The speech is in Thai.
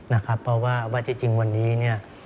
นะครับเพราะว่าว่าคนจริงวันนี้